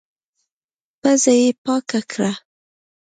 پزه يې پاکه کړه.